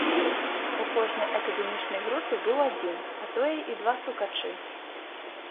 У кожнай акадэмічнай групе быў адзін, а тое і два стукачы.